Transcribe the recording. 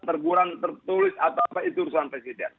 tergurang tertulis atau apa itu urusan presiden